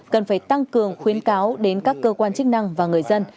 cần phải tăng cường khuyến cáo đến các cơ quan chức năng và người dân